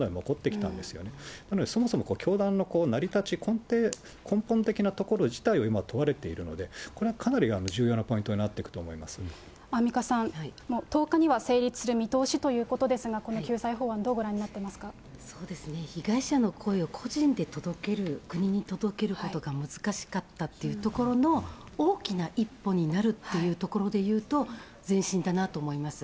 なので、そもそも教団の成り立ち、根底、根本的なところ自体を今、問われているので、これはかなり重要なポイントになっていくと思アンミカさん、１０日には成立する見通しということですが、この救済法案、どうそうですね、被害者の声を個人で届ける、国に届けることが難しかったというところの、大きな一歩になるっていうところで言うと、前進だなと思います。